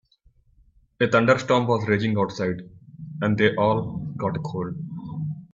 A thunderstorm was raging outside and they all got a cold.